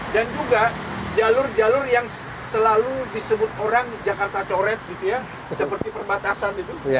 dan juga jalur jalur yang selalu disebut orang jakarta coret gitu ya seperti perbatasan gitu